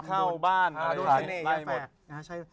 ผีเข้าบ้านได้หมด